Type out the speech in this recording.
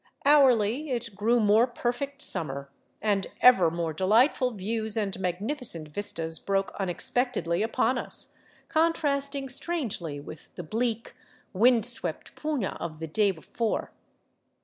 Hourly it grew more perfect summer, and ever more delightful views and magnificent vistas broke unexpectedly upon us, contrast ing strangely with the bleak, wind swept puna of the day before.